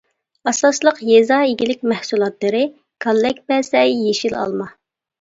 ئاساسلىق يېزا ئىگىلىك مەھسۇلاتلىرى كاللەكبەسەي، يېشىل ئالما.